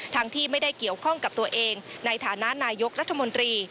ที่ไม่ได้เกี่ยวข้องกับตัวเองในฐานะนายกรัฐมนตรี